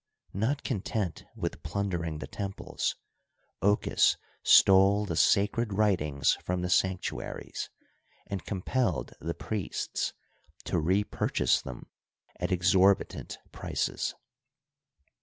Not content with plundering the temples, Ochus stole the sacred writings from the sanctuaries, and compelled the priests to repurchase them at exorbitant prices.